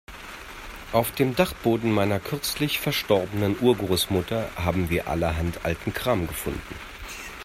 Auf dem Dachboden meiner kürzlich verstorbenen Urgroßmutter haben wir allerhand alten Kram gefunden.